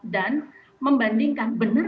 dan membandingkan bener